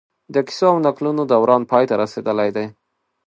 د کيسو او نکلونو دوران پای ته رسېدلی دی